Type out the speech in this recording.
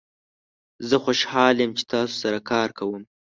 زه خوشحال یم چې تاسو سره کار کوم.